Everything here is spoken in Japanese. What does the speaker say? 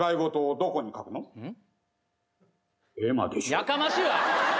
やかましいわ！